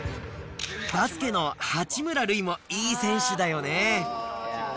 バスケの八村塁もいい選手だよね。